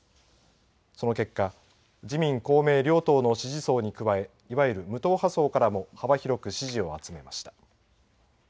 その結果自民公明両党の支持層に加えいわゆる無党派層からも幅広く支持を集めました。